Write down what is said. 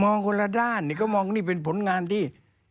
คนละด้านนี่ก็มองนี่เป็นผลงานที่